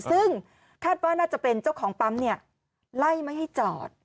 ซึ่งคาดว่าน่าจะเป็นเจ้าของปั๊มเนี่ยไล่ไม่ให้จอด